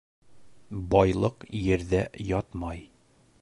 Байлыҡ ерҙә ятмай.